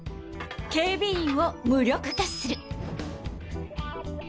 警備員を無力化する。